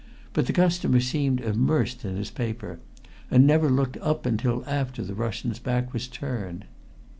But the customer seemed immersed in his paper, and never looked up until after the Russian's back was turned.